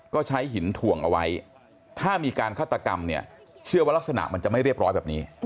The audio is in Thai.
ก็ใช้หินถ่วงเอาไว้ถ้ามีการฆาตกรรมเนี่ยเชื่อว่ารักษณะมันจะไม่เรียบร้อยแบบนี้